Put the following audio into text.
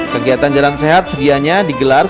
kegiatan jalan sehat sedianya digelar